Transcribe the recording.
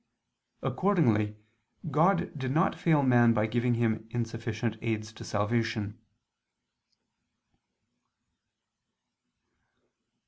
Accordingly God did not fail man by giving him insufficient aids to salvation.